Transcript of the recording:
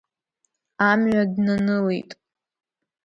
Амҩа днанылеит.